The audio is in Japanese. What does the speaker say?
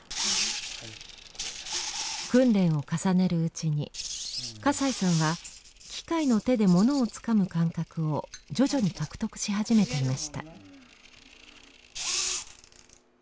訓練を重ねるうちに笠井さんは機械の手で物をつかむ感覚を徐々に獲得し始めていました。